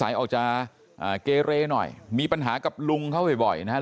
ออกจากเกเรหน่อยมีปัญหากับลุงเขาบ่อยนะครับ